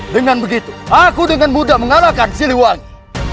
dengan begitu aku dengan mudah mengalahkan siliwangi